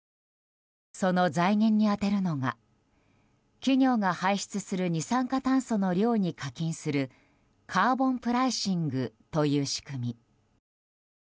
その財源に充てるのが企業が排出する二酸化炭素の量に課金するカーボンプライシングという仕組み。